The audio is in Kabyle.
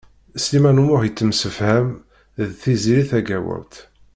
Sliman U Muḥ yettemsefham d Tiziri Tagawawt.